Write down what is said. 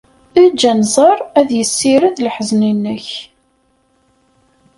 Eǧǧ anẓar ad yessired leḥzen-nnek.